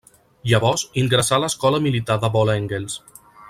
Llavors, ingressà a l'Escola Militar de Vol Engels.